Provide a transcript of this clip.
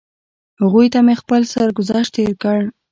هغوی ته مې خپل سرګذشت تېر کړ.